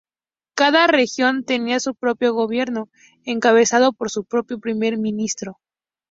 Cada región tenía su propio gobierno, encabezado por su propio primer ministro.